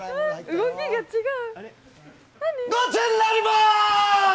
動きが違う。